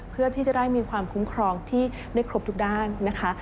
เพื่อที่จะได้มีความคุ้มครองที่ได้ครบทุกด้านนะคะ